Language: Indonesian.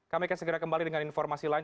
kami akan segera kembali dengan informasi lain